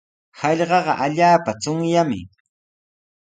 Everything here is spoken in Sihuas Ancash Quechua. Hallqaqa allaapa chunyaqmi.